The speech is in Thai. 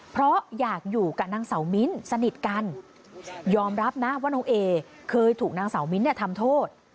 เพราะอยากอยู่กับนางสาวมิ้นสนิทกันยอมรับนะว่าน้องเอเคยถูกนางสาวมิ้นท์เนี่ยทำโทษ